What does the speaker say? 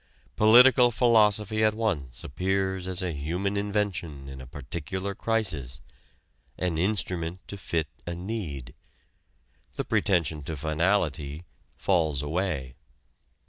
Political philosophy at once appears as a human invention in a particular crisis an instrument to fit a need. The pretension to finality falls away.